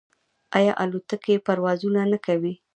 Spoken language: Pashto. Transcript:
آیا الوتکې پروازونه نه کوي؟